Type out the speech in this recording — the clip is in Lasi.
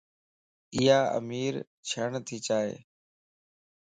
ايا امير ڇڻ تي چائي